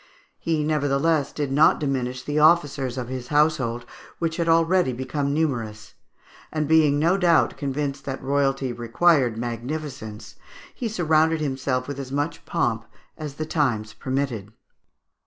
He nevertheless did not diminish the officers of his household, which had already become numerous; and being no doubt convinced that royalty required magnificence, he surrounded himself with as much pomp as the times permitted.